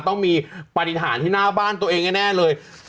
ต้องมีปฏิหารที่หน้าบ้านตัวเองแน่เลย